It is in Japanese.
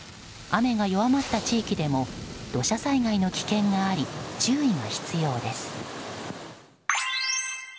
雨が弱まった地域でも土砂災害の危険があり注意が必要です。